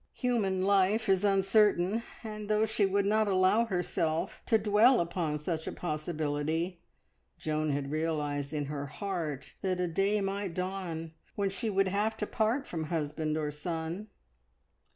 Human life is uncertain, and though she would not allow herself to dwell upon such a possibility, Joan had realised in her heart that a day might dawn when she would have to part from husband or son.